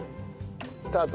スタート。